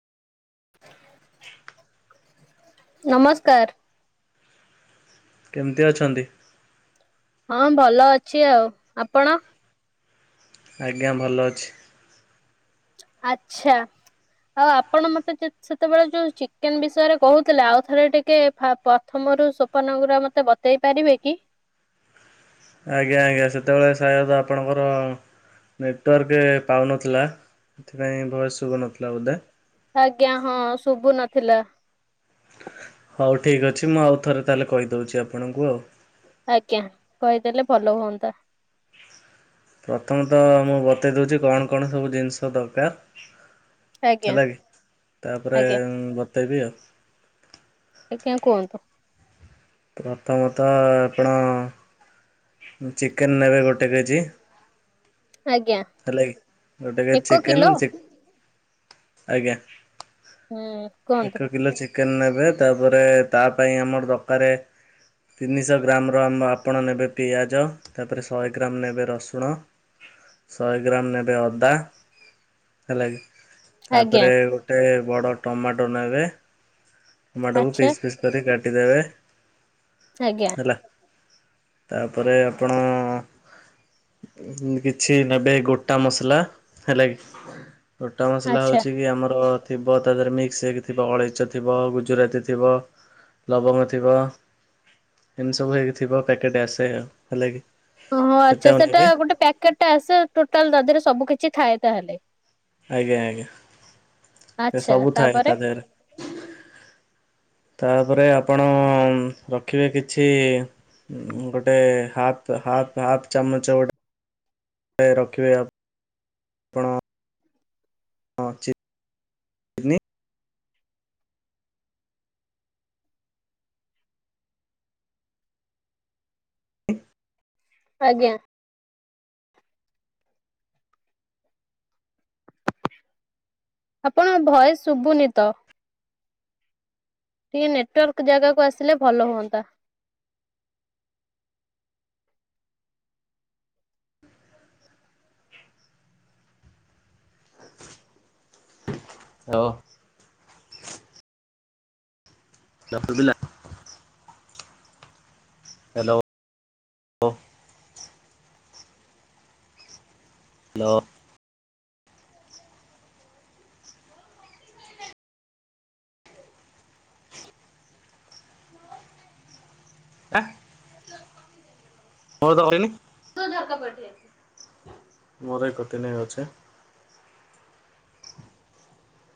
ନମସ୍କାର। କେମିତି ଅଛନ୍ତି? ହଁ ଭଲ ଅଛି ଆଉ। ଆପଣ? ଆଜ୍ଞା ଭଲ ଅଛି। ଆଛା। ଆଉ ଆପଣ ମତେ ସେତେବେଳେ ଯୋଉ ଚିକେନ୍ ବିଷୟରେ କହୁଥିଲେ। ଆଉ ଥରେ ଟିକେ ପ ପ୍ରଥମରୁ ସ୍ୱପନଗୁର ମତେ ବତେଇ ପାରିବେ କି? ଆଜ୍ଞା। ଆଜ୍ଞା। ସେତେବେଳେ ସାୟଦ ଆପଣଙ୍କର ନେଟୱାର୍କ ପାଉନଥିଲା। ଏଥିପାଇଁ ଭଏସ ଶୁଭୁ ନଥିଲା ବୋଧେ? ଆଜ୍ଞା। ହଁ ଶୁଭୁ ନଥିଲା। ହଉ ଠିକ ଅଛି। ମୁଁ ଆଉ ଥରେ ତାହେଲେ କହିଦଉଛି ଆପଣଙ୍କୁ ଆଉ। ଆଜ୍ଞା। କହିଦେଲେ ଭଲ ହୁଅନ୍ତା। ପ୍ରଥମତଃ। ମୁଁ ବତେଇ ଦେଉଛି କଣ କଣ ସବୁ ଜିନିଷ ଦରକାର। ଆଜ୍ଞା ହେଲା କି? ତାପରେ ଆଜ୍ଞା ବତେଇବି ଆଉ। ଆଜ୍ଞା। କୁହନ୍ତୁ? ପ୍ରଥମତଃ। ଆପଣ ଚିକେନ୍ ନେବେ ଗୋଟେ କେଜି? ଆଜ୍ଞା। ହେଲା କି ଗୋଟେ ଏକ କେଜି କିଲୋ ଚିକେନ, ଆଜ୍ଞା। ହୁଁ କୁହନ୍ତୁ ଏକ କିଲୋ ଚିକେନ ନେବେ, ତାପରେ ତା ପାଇଁ ଆମର ଦରକାର ତିନିଶହ ଗ୍ରାମ୍ ର ଆ ଆପଣ ନେବେ ପିଆଜ, ତା ପରେ ଶହେ ଗ୍ରାମ୍ ନେବେ ରସୁଣ, ଶହେ ଗ୍ରାମ୍ ନେବେ ଅଦା, ହେଲା କି ଆଜ୍ଞା ତାପରେ ଗୋଟେ ବଡ଼ ଟମାଟୋ ନେବେ, ଟମାଟୋକୁ ଆଚ୍ଛା ପିସ୍ ପିସ୍ କରି କାଟିଦେବେ। ଆଜ୍ଞା। ହେଲା। ତାପରେ ଆପଣ କିଛି ଟିକେ ନେବେ ଗୋଟା ମସଲା ହେଲା କି, ଗୋଟା ମସଲା ଆଚ୍ଛା। ହେଉଛି କି ଆମର ଥିବ ତା ଦେହରେ ମିକ୍ସ ହେଇକି ଥିବ। ଅଳେଇଚ ଥିବ, ଗୁଜୁରାତି ଥିବ, ଲବଙ୍ଗ ଥିବ, ଏମିତି ସବୁ ହେଇକି ଥିବ। ପ୍ୟାକେଟ ଆସେ ଆଉ ହେଲା କିି? ଓହୋ, ଆଚ୍ଛା, ସେଟା ଗୋଟେ ପ୍ୟାକେଟ୍ ଟା ଆସେ। ଟୋଟାଲ ତାଦିହରେ ରେ ସବୁ କିଛି ଥାଏ ତାହେଲେ? ଆଜ୍ଞା, ଆଜ୍ଞା, ଏ ଆଚ୍ଛା ସବୁ ଥାଏ ତାପରେ ତା ଦେହରେ। [inaudible] ତାପରେ ଆପଣ ରଖିବେ କିଛି ଗୋଟେ ହାପ୍ ହାପ୍ ହାପ୍ ଚାମଚ ଗୋଟେ ରଖିବେ ଆପଣ [unintelligible] ହଁ ଚ [unintelligible] ଆଜ୍ଞା। ଆପଣଙ୍କ ଭଏସ ଶୁଭୁନି ତ? ଟିକେ ନେଟୱାର୍କ ଜାଗାକୁ ଆସିଲେ ଭଲ ହୁଅନ୍ତା? ହାଲୋ? ଯଖର ବିିଲ [unintelligible] ହାଲୋ? ହାଲୋ। ଅ [unintelligible] ମୋର କତି ନା ଅଛ [unintelligible]